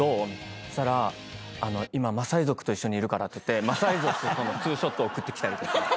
そしたら「今マサイ族と一緒にいるから」っていってマサイ族とのツーショット送ってきたりとか。